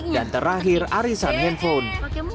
dan terakhir arisan handphone